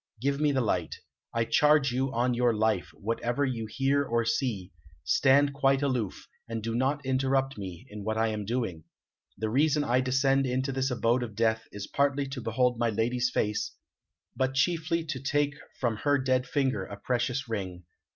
Give me the light. I charge you on your life, whatever you hear or see, stand quite aloof, and do not interrupt me in what I am doing. The reason I descend into this abode of death is partly to behold my lady's face, but chiefly to take from her dead finger a precious ring.